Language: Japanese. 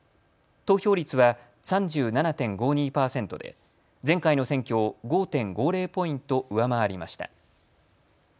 投票率は３７．５２％で前回の選挙を５．５０ポイント上回りました。